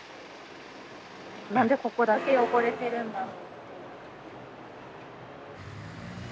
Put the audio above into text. なんでここだけ汚れてるんだろう。